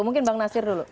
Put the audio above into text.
mungkin bang nasir dulu